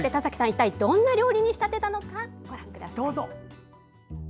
一体どんな料理に仕立てたのかご覧ください。